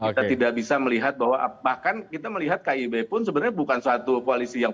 kita tidak bisa melihat bahwa bahkan kita melihat kib pun sebenarnya bukan suatu koalisi yang